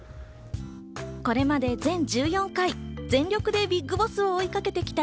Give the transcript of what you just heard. これまで全１４回、全力でＢＩＧＢＯＳＳを追いかけて来た、